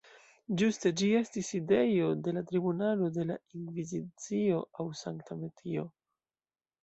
Ĝuste ĝi estis sidejo de la Tribunalo de la Inkvizicio aŭ Sankta Metio.